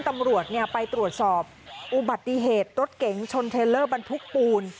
ตำรวจไปตรวจสอบอุบัติเหตุรถเก๋งชนเทลเลอร์บรรทุกปูน